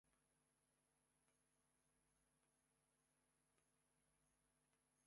She is of Irish and English ancestry.